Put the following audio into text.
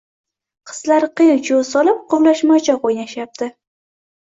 Qizlar qiy-chuv solib quvlashmachoq o`ynashayapti